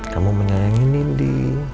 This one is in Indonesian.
kamu menyayangi nindi